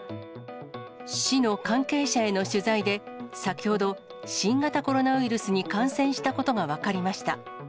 市の関係者への取材で、先ほど、新型コロナウイルスに感染したことが分かりました。